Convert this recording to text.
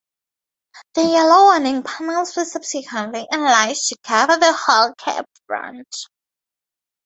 The yellow warning panels were subsequently enlarged to cover the whole cab front.